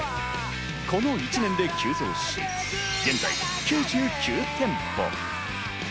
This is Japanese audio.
この１年で急増し、現在９９店舗。